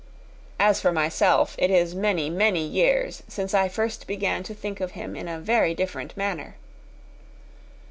As for myself, it is many, many years since I first began to think of him in a very different manner.